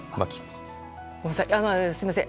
すみません。